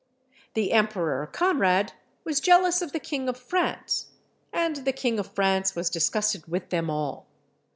The Emperor Conrad was jealous of the king of France, and the king of France was disgusted with them all.